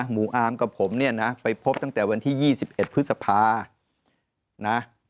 หมูอาร์มกับผมไปพบตั้งแต่วันที่๒๑พฤษภา